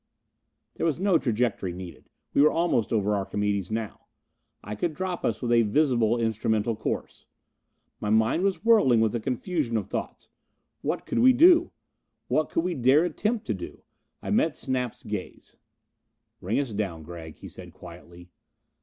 There was no trajectory needed. We were almost over Archimedes now. I could drop us with a visible, instrumental course. My mind was whirling with a confusion of thoughts. What could we do? What could we dare attempt to do? I met Snap's gaze. "Ring us down, Gregg," he said quietly.